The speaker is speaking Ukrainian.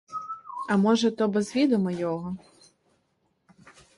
А може, то без відома його?